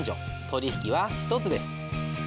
取引は１つです。